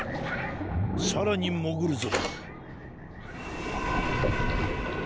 さらにもぐるぞ。